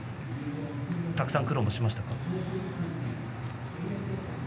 たくさん苦労もしましたか？